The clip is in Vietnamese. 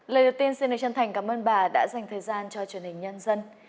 lời đầu tiên xin được chân thành cảm ơn bà đã dành thời gian cho truyền hình nhân dân